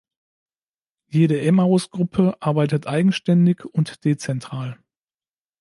Jede Emmaus-Gruppe arbeitet eigenständig und dezentral.